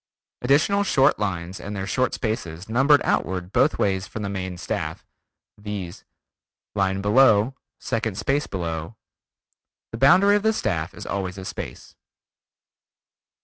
Additional short lines and their short spaces numbered outward both ways from the main staff, viz: line below, second space below. The boundary of the staff is always a space.